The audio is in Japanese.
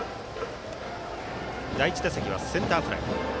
第１打席はセンターフライ。